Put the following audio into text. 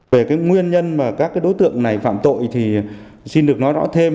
về cái nguyên nhân mà các cái đối tượng này phạm tội thì xin được nói rõ thêm